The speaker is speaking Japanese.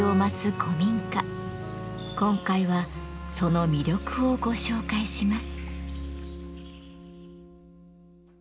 今回はその魅力をご紹介します。